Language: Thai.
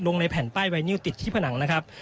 ในแผ่นป้ายไวนิวติดที่ผนังนะครับ